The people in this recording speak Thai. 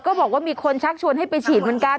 บอกว่ามีคนชักชวนให้ไปฉีดเหมือนกัน